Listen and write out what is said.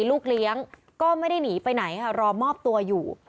ลูกเลี้ยงก็ไม่ได้หนีไปไหนค่ะรอมอบตัวอยู่